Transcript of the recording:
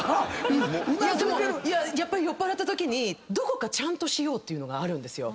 酔っぱらったときにどこかちゃんとしようっていうのがあるんですよ。